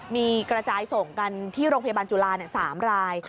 มีกระจายส่งกันที่โรงพยาบาลจุฬา๓ราย